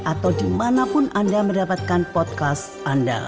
atau dimanapun anda mendapatkan podcast anda